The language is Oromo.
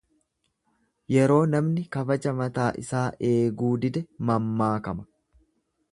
Yeroo namni kabaja mataa isaa eeguu dide mammaakama.